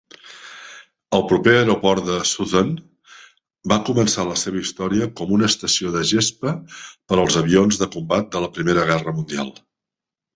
El proper aeroport de Southend va començar la seva història com una estació de gespa per als avions de combat de la primera guerra mundial.